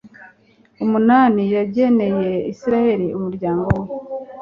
umunani yageneye Israheli umuryango we